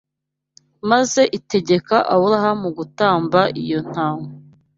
maze itegeka Aburahamu gutamba iyo ntama